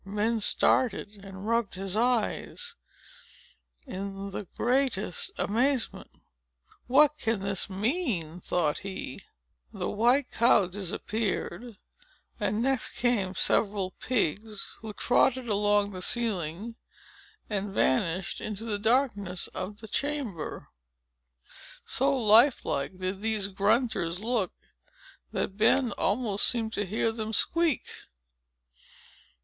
Ben started, and rubbed his eyes, in the greatest amazement. "What can this mean?" thought he. The white cow disappeared; and next came several pigs, who trotted along the ceiling, and vanished into the darkness of the chamber. So lifelike did these grunters look, that Ben almost seemed to hear them squeak.